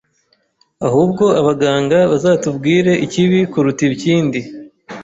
Ahubwo abaganga bazatubwire ikibi kuruta ikindi